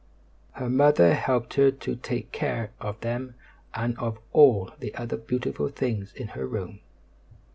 Her mother helped her to take care of them and of all the other beautiful things in her room.